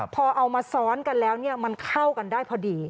พอเอามาซ้อนกันแล้วมันเข้ากันได้พอดี